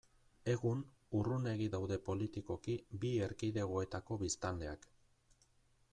Egun, urrunegi daude politikoki bi erkidegoetako biztanleak.